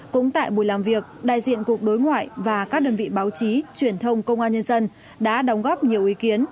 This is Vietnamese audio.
cũng tại buổi làm việc đại diện cục đối ngoại và các đơn vị báo chí truyền thông công an nhân dân đã đóng góp nhiều ý kiến